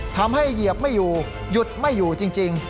เหยียบไม่อยู่หยุดไม่อยู่จริง